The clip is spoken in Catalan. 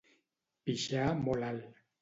Pixar molt alt.